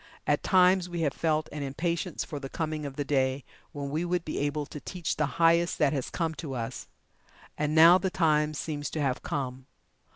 At times we have felt an impatience for the coming of the day when we would be able to teach the highest that has come to us. And now the time seems to have come.